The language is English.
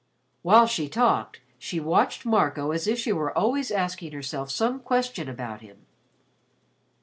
While she talked, she watched Marco as if she were always asking herself some question about him.